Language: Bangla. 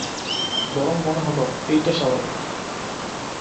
বরং মনে হল এই তো স্বাভাবিক।